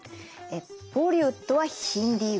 ボリウッドはヒンディー語。